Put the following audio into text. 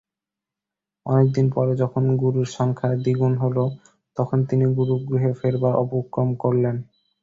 অনেকদিন পরে যখন গুরুর সংখ্যা দ্বিগুণ হল, তখন তিনি গুরুগৃহে ফেরবার উপক্রম করলেন।